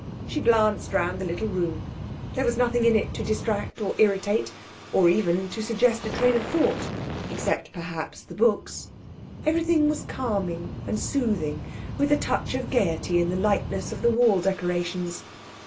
She glanced round the little room; there was nothing in it to distract or irritate, or even to suggest a train of thought; except perhaps the books; everything was calming and soothing, with a touch of gaiety in the lightness of the wall decorations.